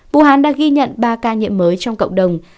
vũ hán đã ghi nhận ba ca nhiễm mới trong cộng đồng